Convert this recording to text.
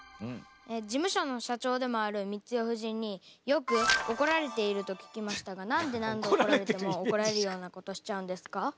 事務所の社長でもある光代夫人によくおこられていると聞きましたが何で何度おこられてもおこられるようなことしちゃうんですか？